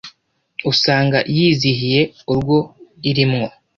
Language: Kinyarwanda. usanga yizihiye urwo irimwo